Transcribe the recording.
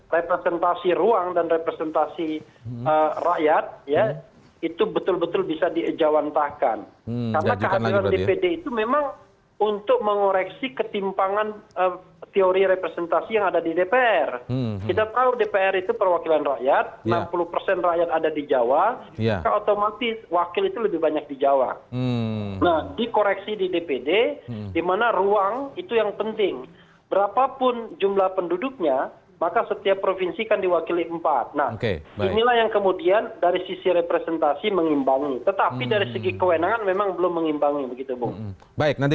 representasi ruang dan representasi rakyat